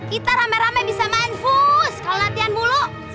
kita rame rame bisa main fus kalau latihan mulu